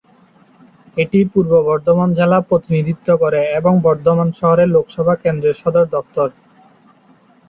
এটি পূর্ব বর্ধমান জেলা প্রতিনিধিত্ব করে এবং বর্ধমান শহরে লোকসভা কেন্দ্রের সদর দফতর।